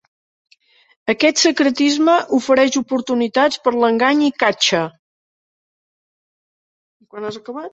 Aquest secretisme ofereix oportunitats per l'engany i catxa.